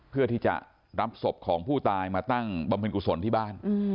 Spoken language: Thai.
เพื่อที่จะรับศพของผู้ตายมาตั้งบำเพ็ญกุศลที่บ้าน